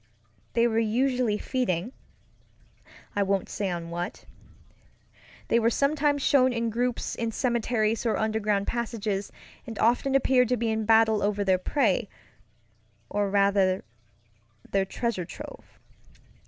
They were usually feedingŌĆöI won't say on what. They were sometimes shown in groups in cemeteries or underground passages, and often appeared to be in battle over their preyŌĆöor rather, their treasure trove.